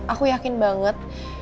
aku yakin banget